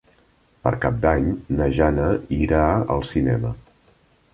Per Cap d'Any na Jana irà al cinema.